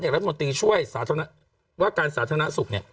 รัฐมนตรีช่วยการสาธานาสุข